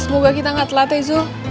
semoga kita nggak telat eh zul